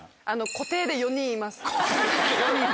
固定４人います。